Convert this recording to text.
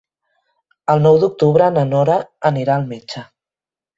El nou d'octubre na Nora anirà al metge.